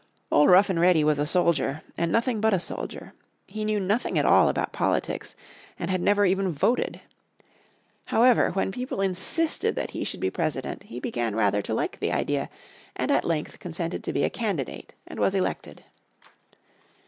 Old Rough and Ready was a soldier, and nothing but a soldier. He knew nothing at all about politics, and had never even voted. However when people insisted that he should be President, he began rather to like the idea, and at length consented to be a candidate, and was elected.